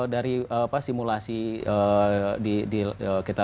dari simulasi kita